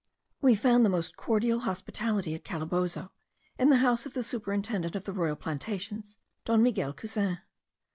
We found the most cordial hospitality at Calabozo, in the house of the superintendent of the royal plantations, Don Miguel Cousin.